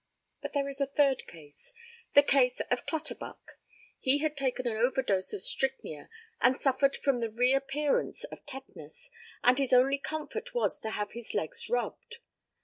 But there is a third case the case of Clutterbuck. He had taken an overdose of strychnia, and suffered from the re appearance of tetanus, and his only comfort was to have his legs rubbed.